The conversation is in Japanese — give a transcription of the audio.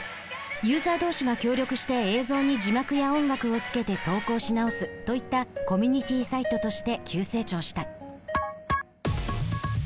ユーザー同士が協力して映像に字幕や音楽をつけて投稿し直すといったコミュニティーサイトとして急成長した。